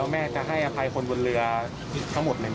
แม่จะให้อภัยคนบนเรือทั้งหมดไหม